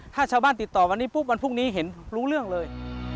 ถ้าชาวบ้านติดต่อวันนี้ปุ๊บวันพรุ่งนี้เห็นรู้เรื่องเลย